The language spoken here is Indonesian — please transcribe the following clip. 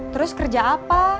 terus kerja apa